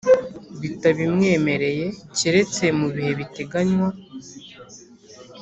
Batabimwemereye keretse mu bihe biteganywa